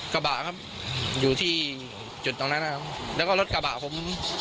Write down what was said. กระบะครับอยู่ที่จุดตรงนั้นนะครับแล้วก็รถกระบะผม